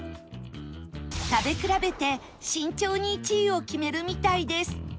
食べ比べて慎重に１位を決めるみたいです